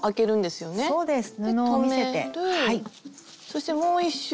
そしてもう一周。